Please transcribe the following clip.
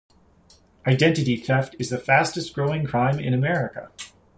Identity theft is the fastest growing crime in America.